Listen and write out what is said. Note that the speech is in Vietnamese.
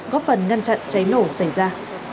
góp phần ngăn chặn trái nổ xảy ra